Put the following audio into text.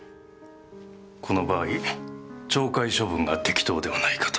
この場合懲戒処分が適当ではないかと。